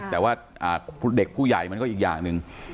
แต่ว่าเด็กผู้ใหญ่มันก็อีกอย่างหนึ่ง